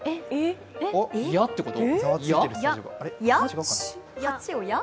「や」ってこと？